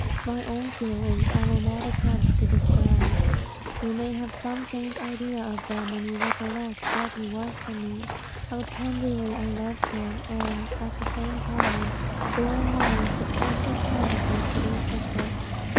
My own feelings I will not attempt to describe. You may have some faint idea of them, when you recollect what he was to me, how tenderly I loved him, and, at the same time, bear in mind the precious promises to the afflicted.